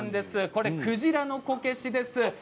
これは鯨のこけしです。